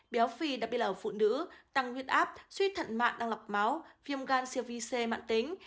béo phì đặc biệt là ở phụ nữ tăng huyết áp suy thận mạng đang lọc máu viêm gan siêu vi c mạng tính